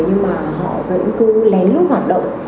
nhưng mà họ vẫn cứ lén lút hoạt động